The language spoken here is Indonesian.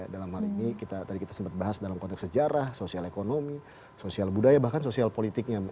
dalam hal ini tadi kita sempat bahas dalam konteks sejarah sosial ekonomi sosial budaya bahkan sosial politiknya